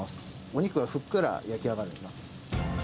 お肉がふっくら焼き上がります。